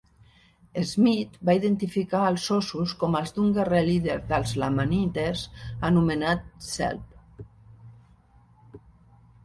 Smith va identificar els ossos com els d'un guerrer líder dels lamanites anomenat Zelph.